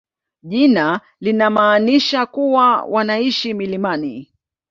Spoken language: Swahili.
Jina linamaanisha kuwa wanaishi milimani.